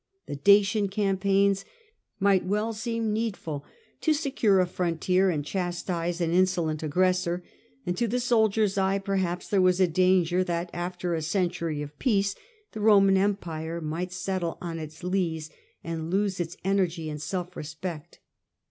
The Dacian cam Selinus, paigns might well seem needful to secure a frontier and chastise an insolent aggressor ; and to the soldier's eye, perhaps, there was a danger that, after a century of peace, the Roman empire might Hischnr.ic settle on its lees, and lose its energy and self respect.